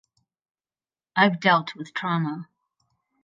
I’ve dealt with trauma.